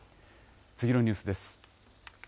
次のニュースです。